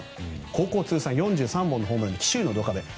高校通算４３本のホームランで紀州のドカベンと。